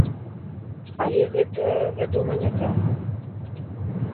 Але гэта, вядома, не так.